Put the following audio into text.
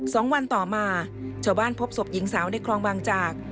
สองวันต่อมาชาวบ้านพบศพหญิงสาวในคลองบางจาก